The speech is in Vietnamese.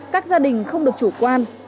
các gia đình không được chủ quan